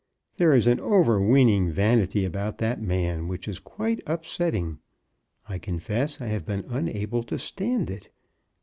There is an overweening vanity about that man which is quite upsetting. I confess I have been unable to stand it.